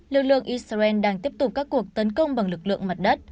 lực lượng israel đang tiếp tục các cuộc tấn công bằng lực lượng mặt đất